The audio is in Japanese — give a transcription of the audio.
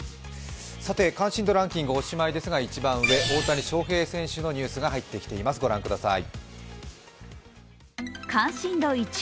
関心度ランキング、おしまいですが一番上、大谷翔平選手のニュースが入ってきています、御覧ください。